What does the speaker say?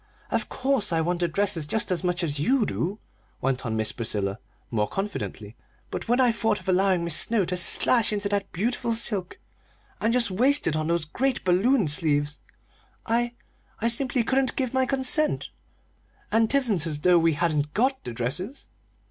"Of course I want the dresses just as much as you do," went on Miss Priscilla, more confidently; "but when I thought of allowing Mis' Snow to slash into that beautiful silk and just waste it on those great balloon sleeves, I I simply couldn't give my consent! and 'tisn't as though we hadn't got the dresses!"